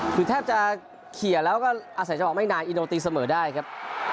คือแทบจะเขี่ยแล้วก็อาสัยจะบอกไม่นานอินโดตีเสมอได้ครับ